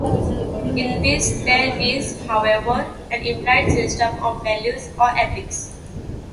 In this, there is, however, an implied system of values or ethics.